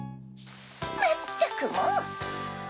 まったくもう！